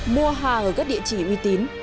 mua hàng ở các địa chỉ uy tín